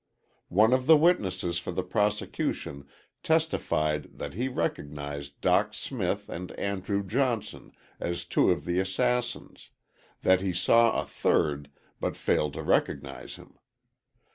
One of the witnesses for the prosecution testified that he recognized Dock Smith and Andrew Johnson as two of the assassins, that he saw a third, but failed to recognize him.